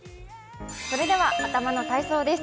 それでは頭の体操です。